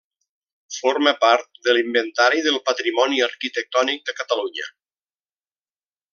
Forma part de l'Inventari del Patrimoni Arquitectònic de Catalunya.